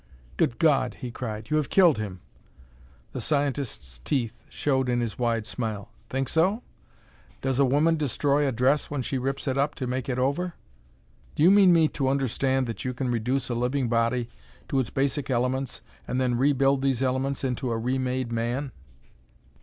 "Good God!" he cried. "You have killed him." The scientist's teeth showed in his wide smile. "Think so? Does a woman destroy a dress when she rips it up to make it over?" "Do you mean me to understand that you can reduce a living body to its basic elements and then rebuild these elements into a remade man?"